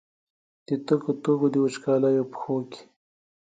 د تږو، تږو، وچکالیو پښو کې